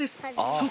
そう